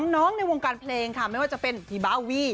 ในวงการเพลงค่ะไม่ว่าจะเป็นพี่บาวี่